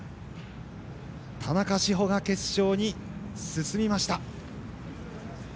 田中志歩が決勝に進みました。